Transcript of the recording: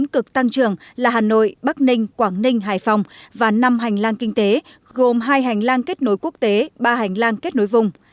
bốn cực tăng trưởng là hà nội bắc ninh quảng ninh hải phòng và năm hành lang kinh tế gồm hai hành lang kết nối quốc tế ba hành lang kết nối vùng